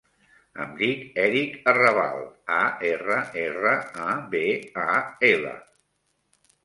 Em dic Eric Arrabal: a, erra, erra, a, be, a, ela.